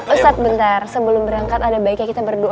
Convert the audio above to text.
ustadz bentar sebelum berangkat ada baiknya kita berdoa